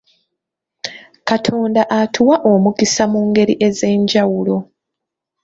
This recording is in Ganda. Katonda atuwa omukisa mu ngeri ez'enjawulo.